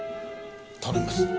頼みます。